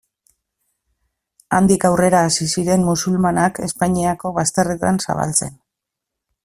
Handik aurrera hasi ziren musulmanak Hispaniako bazterretan zabaltzen.